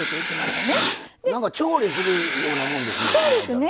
なんか調理するようなもんですね。